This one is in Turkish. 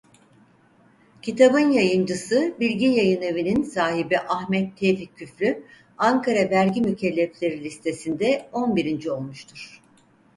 Kitabın yayıncısı Bilgi Yayınevi'nin sahibi Ahmet Tevfik Küflü Ankara vergi mükellefleri listesinde on birinci olmuştur.